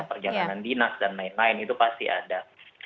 perjalanan dinas dan lain lain itu pasti ada